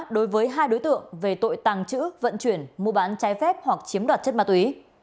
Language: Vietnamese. đối với hai đối tượng về tội tàng trữ vận chuyển mua bán trái phép hoặc chiếm đoạt chất ma túy